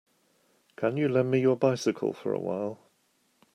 Can you lend me your bycicle for a while.